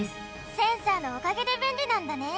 センサーのおかげでべんりなんだね！